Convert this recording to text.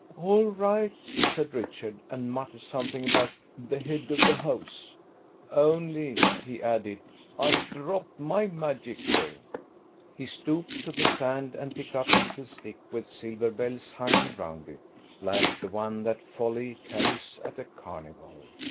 "All right," said Richard, and muttered something about "the Head of the House." "Only," he added, "I dropped my magic here." He stooped to the sand and picked up a little stick with silver bells hung round it, like the one that Folly carries at a carnival.